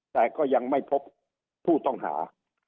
แต่ก็ยังไม่พบผู้ต้องหา